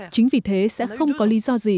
chính vì thế sẽ không có lý do gì